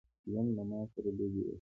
ژوند له ماسره لوبي وکړي.